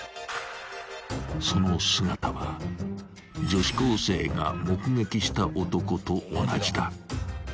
［その姿は女子高生が目撃した男と同じだ］